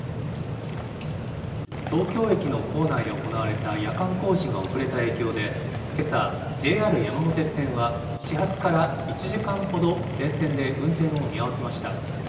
東京駅の構内で行われた夜間工事が遅れた影響で、けさ、ＪＲ山手線は始発から１時間ほど全線で運転を見合わせました。